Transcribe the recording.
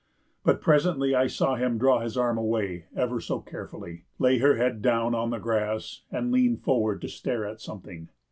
But presently I saw him draw his arm away ever so carefully, lay her head down on the grass, and lean forward to stare at something.